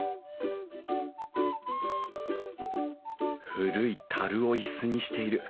古い樽を椅子にしている。